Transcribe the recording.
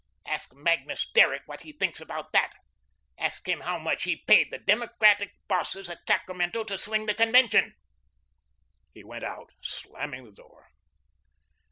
Ask Magnus Derrick what he thinks about that. Ask him how much he paid the Democratic bosses at Sacramento to swing the convention." He went out, slamming the door.